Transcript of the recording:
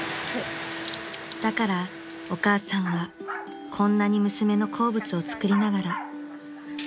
［だからお母さんはこんなに娘の好物を作りながら］